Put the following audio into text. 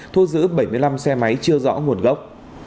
thu giữ bảy mươi năm xe máy chưa rõ nguồn gốc